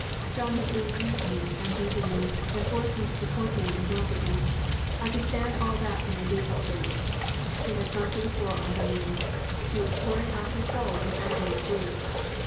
"'John has ill used me, and beaten me, and forced me to support him in drunkenness. I could stand all that for my baby's sake.' "She had sunk to the floor on her knees. She was pouring out her soul in agony of grief.